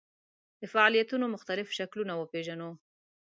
د فعالیتونو مختلف شکلونه وپېژنو.